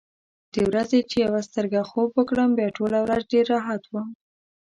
د ورځې چې یوه سترګه خوب وکړم، بیا ټوله ورځ ډېر راحت وم.